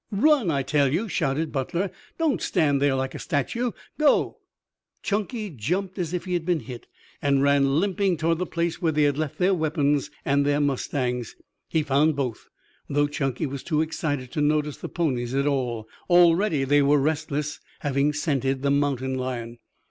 "Run, I tell you!" shouted Butler. "Don't stand there like a statue. Go!" Chunky jumped as if he had been hit, and ran limping toward the place where they had left their weapons and their mustangs. He found both, though Chunky was too excited to notice the ponies at all. Already they were restless, having scented the mountain lion.